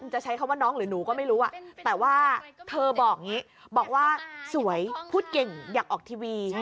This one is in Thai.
จะใช้คำว่าน้องหรือหนูก็ไม่รู้แต่ว่าเธอบอกอย่างนี้บอกว่าสวยพูดเก่งอยากออกทีวี